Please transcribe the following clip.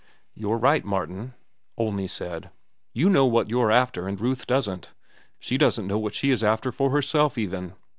"You're right, Martin," Olney said. "You know what you're after, and Ruth doesn't. She doesn't know what she is after for herself even."